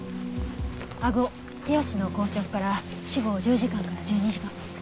あご手足の硬直から死後１０時間から１２時間。